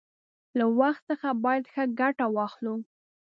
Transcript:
له وخت څخه باید ښه گټه واخلو.